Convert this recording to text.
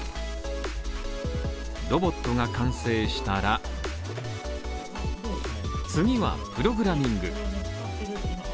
ロボットが完成したら次はプログラミング。